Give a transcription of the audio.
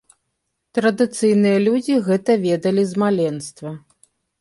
Традыцыйныя людзі гэта ведалі з маленства.